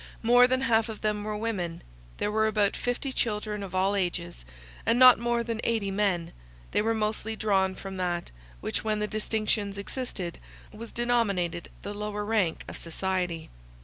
More than half of them were women; there were about fifty children of all ages; and not more than eighty men. They were mostly drawn from that which, when such distinctions existed, was denominated the lower rank of society.